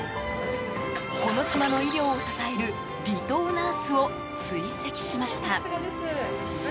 この島の医療を支える離島ナースを追跡しました。